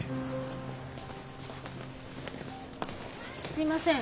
すいません